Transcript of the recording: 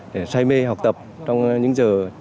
để say mê học tập trong những giờ